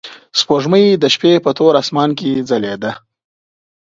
سپوږمۍ د شپې په تور اسمان کې ځلېده.